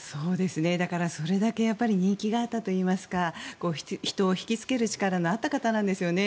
だからそれだけ人気があったといいますか人を引きつける力のあった方なんですよね。